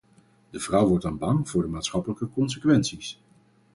De vrouw wordt dan bang voor de maatschappelijke consequenties.